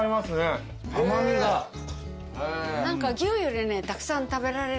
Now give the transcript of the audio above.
何か牛よりねたくさん食べられるって。